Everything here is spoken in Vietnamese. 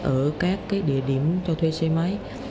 ở các cái địa điểm cho thuê xe máy